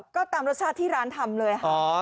ก็ตามรสชาติที่ร้านทำเลยค่ะ